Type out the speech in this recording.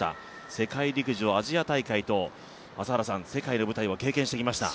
世界陸上、アジア大会と世界の舞台を経験してきました。